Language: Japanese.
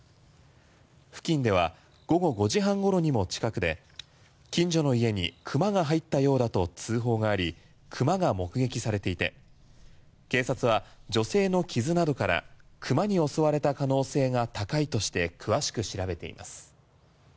付近では午後５時半ごろにも近くで近所の家に熊が入ったようだと通報がありクマが目撃されていて警察は女性の傷などからクマに襲われた可能性が高いとして詳しく調べています。